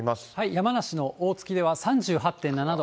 山梨の大月では３８．７度。